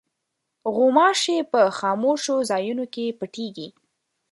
غوماشې په خاموشو ځایونو کې پټېږي.